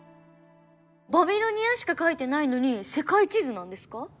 バビロニアしか描いてないのに世界地図なんですか？